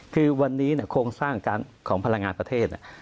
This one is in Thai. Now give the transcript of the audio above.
คือวันนี้โครงสร้างของพลังงานประเทศ